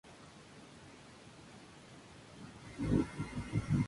Este proceso no es reversible.